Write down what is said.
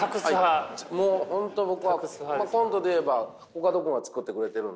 もう本当僕はコントで言えばコカド君が作ってくれてるんで全部。